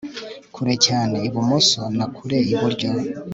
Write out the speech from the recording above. Kure cyane ibumoso na kure iburyo